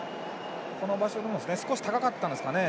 この場所も少し高かったんですかね。